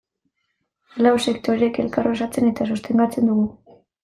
Lau sektoreek elkar osatzen eta sostengatzen dugu.